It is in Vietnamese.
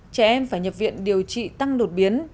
trẻ em phải nhập viện điều trị tăng đột biến